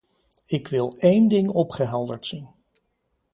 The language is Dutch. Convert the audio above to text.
Ik wil één ding opgehelderd zien.